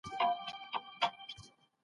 دا پوره یو دئ.